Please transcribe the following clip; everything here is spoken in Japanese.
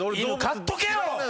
飼っとけよ！